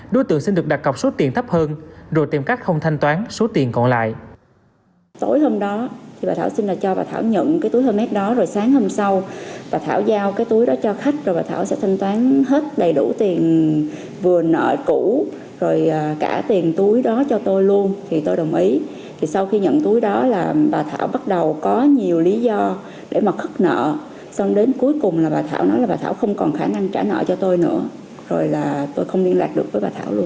đối tượng xin được đặt cọc số tiền thấp hơn rồi tìm cách không thanh toán số tiền còn lại